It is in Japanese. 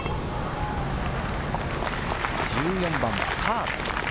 １４番パーです。